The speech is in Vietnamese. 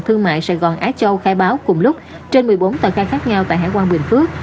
thương mại sài gòn á châu khai báo cùng lúc trên một mươi bốn tờ khai khác nhau tại hải quan bình phước